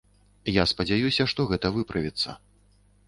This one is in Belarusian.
Я спадзяюся, што гэта выправіцца.